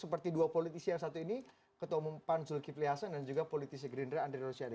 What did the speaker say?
seperti dua politisi yang satu ini ketua umum pan zulkifli hasan dan juga politisi gerindra andre rosiade